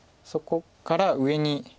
そこから上に。